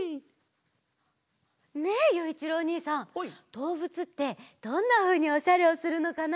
どうぶつってどんなふうにおしゃれをするのかな？